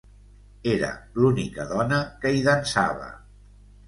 Era l'única dona que hi dansava.